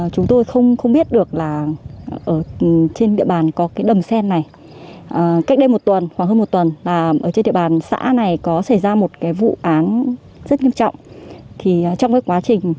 chúng tôi vừa làm vụ án